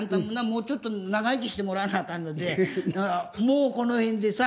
もうちょっと長生きしてもらわなあかんのでもうこの辺でさ。